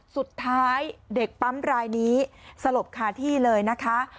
สุดท้ายเด็กปั๊มรายนี้สลบคาที่เลยนะคะ